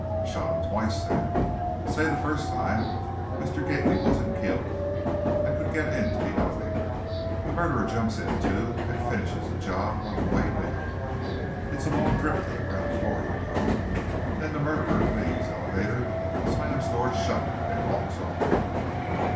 "Shot him twice, then. Say the first time, Mr. Gately wasn't killed and could get into the elevator. Then murderer jumps in, too, and finishes the job on the way down. It's a long trip to the ground floor, you know. Then, murderer leaves elevator, slams door shut, and walks off."